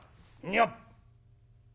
よっ。